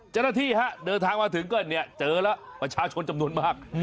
เจ้าหน้าที่ฮะเดินทางมาถึงก็เนี่ยเจอแล้วประชาชนจำนวนมาก